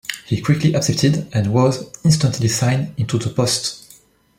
He quickly accepted, and was instantly signed into the post.